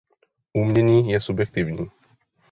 Umění je subjektivní.